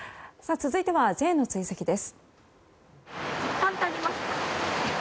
続いてはＪの追跡です。